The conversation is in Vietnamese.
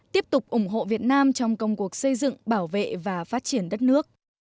tiếp tục ủng hộ việt nam trong công cuộc xây dựng bảo vệ và phát triển đất nước